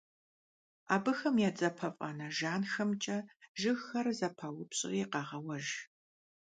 Абыхэм я дзапэфӀанэ жанхэмкӀэ жыгхэр зэпаупщӀри къагъэуэж.